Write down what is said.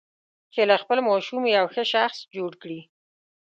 چې له خپل ماشوم یو ښه شخص جوړ کړي.